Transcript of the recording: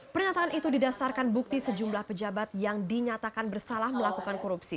pernyataan itu didasarkan bukti sejumlah pejabat yang dinyatakan bersalah melakukan korupsi